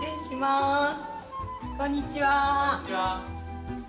こんにちは。